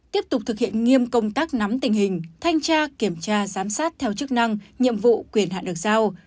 tiếp tục thực hiện nghiêm công tác nắm tình hình thanh tra kiểm tra giám sát theo chức năng nhiệm vụ quyền hạn được giao